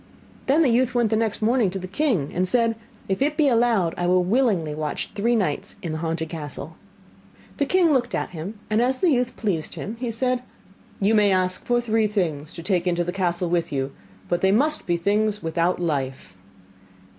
Then the youth went next morning to the king, and said: 'If it be allowed, I will willingly watch three nights in the haunted castle.' The king looked at him, and as the youth pleased him, he said: 'You may ask for three things to take into the castle with you, but they must be things without life.